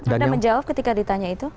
anda menjawab ketika ditanya itu